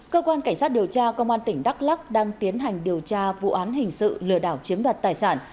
cơ quan cảnh sát điều tra công an tỉnh đắk lắc đang tiến hành điều tra vụ án hình sự lừa đảo chiếm đoạt tài sản